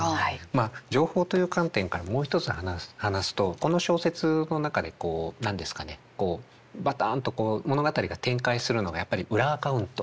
まあ情報という観点からもう一つ話すとこの小説の中で何ですかねバタンと物語が展開するのがやっぱり裏アカウント。